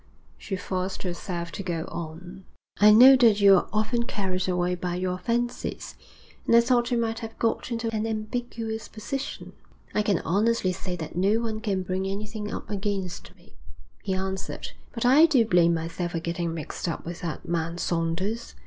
She forced herself to go on. 'I know that you're often carried away by your fancies, and I thought you might have got into an ambiguous position.' 'I can honestly say that no one can bring anything up against me,' he answered. 'But I do blame myself for getting mixed up with that man Saunders.